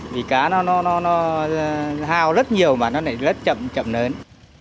vì cá nó hao rất nhiều mà nó lại rất chậm chậm lớn